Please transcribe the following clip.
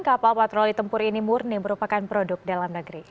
kapal patroli tempur ini murni merupakan produk dalam negeri